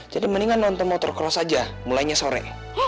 jadi mendingan nonton motocross aja mulainya sore